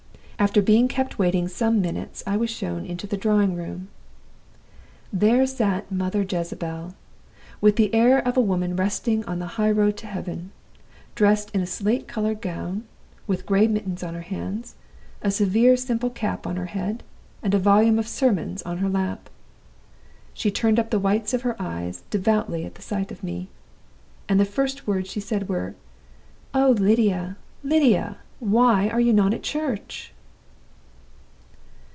After being kept waiting some minutes I was shown into the drawing room. "There sat Mother Jezebel, with the air of a woman resting on the high road to heaven, dressed in a slate colored gown, with gray mittens on her hands, a severely simple cap on her head, and a volume of sermons on her lap. She turned up the whites of her eyes devoutly at the sight of me, and the first words she said were 'Oh, Lydia! Lydia! why are you not at church?